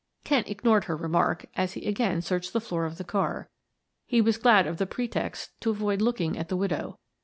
Kent ignored her remark as he again searched the floor of the car; he was glad of the pretext to avoid looking at the widow.